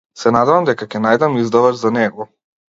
Се надевам дека ќе најдам издавач за него.